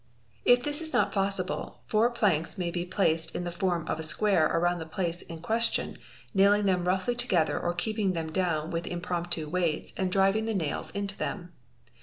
If this is not possible, four planks may be placed in the form of a square around the space in question, nailing them roughly together or keeping them down with impromptu weights and driving the nails into them.